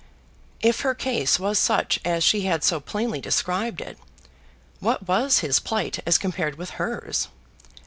If her case was such as she had so plainly described it, what was his plight as compared with hers?